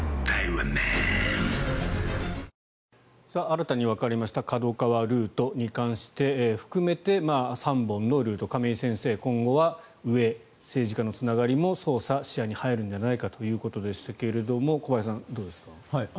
新たにわかりましたＫＡＤＯＫＡＷＡルート含めて３本のルート亀井先生、今後は上政治家のつながりも捜査の視野に入るんじゃないかということですが小林さん、どうですか。